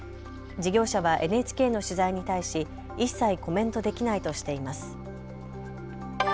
事業者はＮＨＫの取材に対し一切コメントできないとしています。